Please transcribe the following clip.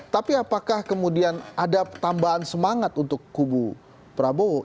tapi apakah kemudian ada tambahan semangat untuk kubu prabowo